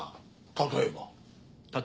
例えば？